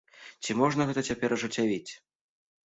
Ці можна гэта цяпер ажыццявіць?